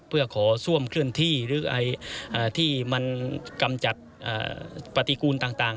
เพื่อขอซ่วมเคลื่อนที่หรือที่มันกำจัดปฏิกูลต่าง